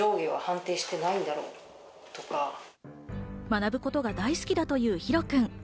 学ぶことが大好きだというヒロくん。